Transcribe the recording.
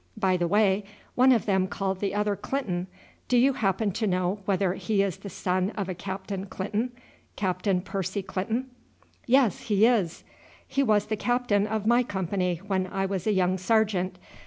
By the way, one of them called the other Clinton; do you happen to know whether he is the son of a Captain Clinton Captain Percy Clinton?" "Yes, he is." "He was captain of my company when I was a young sergeant.